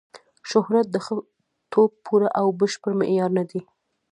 شهرت د ښه توب پوره او بشپړ معیار نه دی.